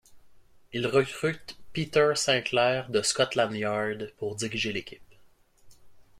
Il recrute Peter Sinclair de Scotland Yard pour diriger l'équipe.